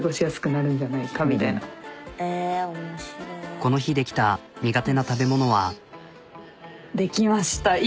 この日出来た苦手な食べ物は。